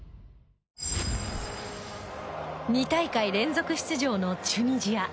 ２大会連続出場のチュニジア。